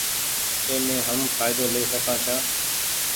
اي مين هم ڦآئدو لي سڪآن ڇآن۔